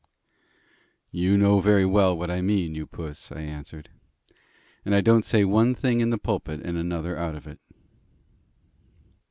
"You know very well what I mean, you puss," I answered. "And I don't say one thing in the pulpit and another out of it."